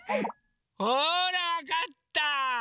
ほらわかった！